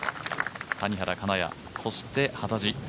谷原、金谷、そして幡地。